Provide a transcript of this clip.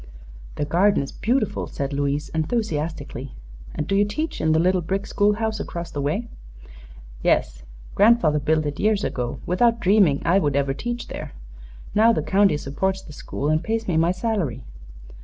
"The garden is beautiful," said Louise, enthusiastically. "And do you teach in the little brick school house across the way?" "Yes. Grandfather built it years ago, without dreaming I would ever teach there. Now the county supports the school and pays me my salary."